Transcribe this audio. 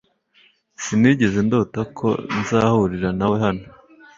Sinigeze ndota ko nzahurira nawe hano